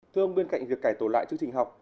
thưa ông bên cạnh việc cải tổ lại chương trình học